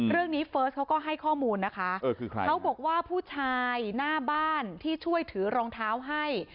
เฟิร์สเขาก็ให้ข้อมูลนะคะเขาบอกว่าผู้ชายหน้าบ้านที่ช่วยถือรองเท้าให้